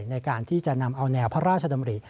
ในการที่จะนำเอาแนวพระราชดำริ